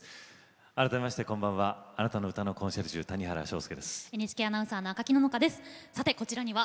改めまして、こんばんは。